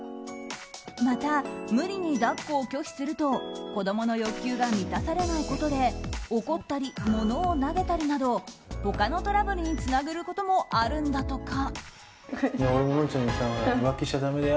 また、無理に抱っこを拒否すると子供の欲求が満たされないことで怒ったり、ものを投げたりなど他のトラブルにつながることもあるんだとか。